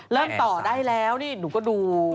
ต่อได้แล้วนี่หนูก็ดู